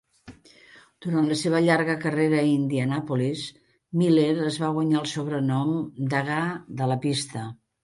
Durant la seva llarga carrera a Indianapolis, Miller es va guanyar el sobrenom "Degà de la pista".